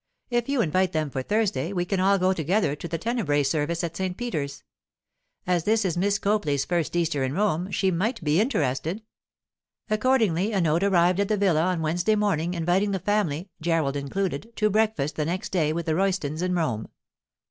If you invite them for Thursday, we can all go together to the tenebræ service at St. Peter's. As this is Miss Copley's first Easter in Rome, she might be interested.' Accordingly a note arrived at the villa on Wednesday morning inviting the family—Gerald included—to breakfast the next day with the Roystons in Rome.